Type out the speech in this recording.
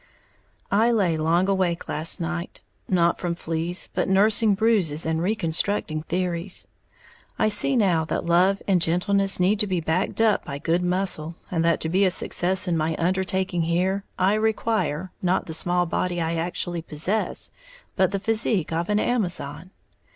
I lay long awake last night, not from fleas, but nursing bruises and reconstructing theories. I see now that love and gentleness need to be backed up by good muscle, and that to be a success in my undertaking here I require, not the small body I actually possess, but the physique of an Amazon.